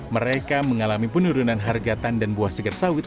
mereka mengalami penurunan harga tandan buah segar sawit